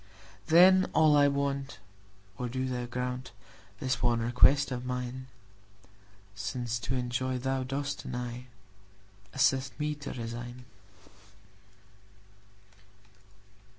Then all I want—O do Thou grantThis one request of mine!—Since to enjoy Thou dost deny, Assist me to resign.